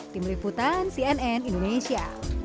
tim liputan cnn indonesia